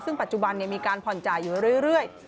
ซึ่งปัจจุบันมีการผ่อนจ่ายอยู่เรื่อย